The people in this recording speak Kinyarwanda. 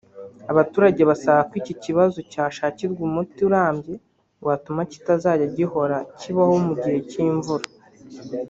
Abaturage basaba ko iki kibazo cyashakirwa umuti urambye watuma kitazajya gihora kibaho mu gihe cy’imvura